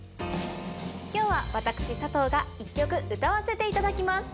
今日は私佐藤が１曲歌わせていただきます。